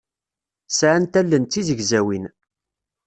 Sɛant allen d tizegzawin.